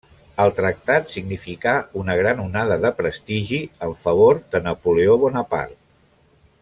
El Tractat significà una gran onada de prestigi en favor de Napoleó Bonaparte.